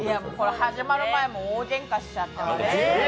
始まる前も大げんかしちゃったので。